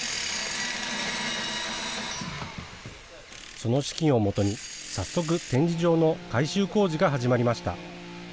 その資金をもとに、早速、展示場の改修工事が始まりました。